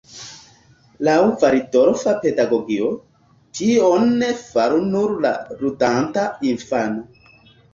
Laŭ valdorfa pedagogio, tion faru nur la ludanta infano.